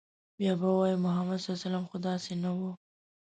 بيا به وايي، محمد ص خو داسې نه و